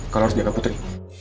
kalau harus jaga putri